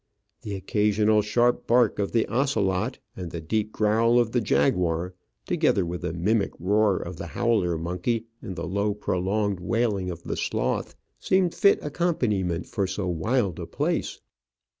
The occasional sharp bark of the ocelot and the deep growl of the jaguar, together with the mimic roar of the howler monkey, and the low, prolonged wailing of the sloth, seemed fit accompaniment for so wild a place.